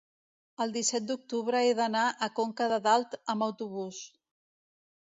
el disset d'octubre he d'anar a Conca de Dalt amb autobús.